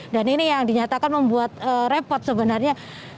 dan ini yang dinyatakan membuat repot sebenarnya